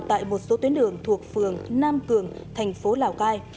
tại một số tuyến đường thuộc phường nam cường thành phố lào cai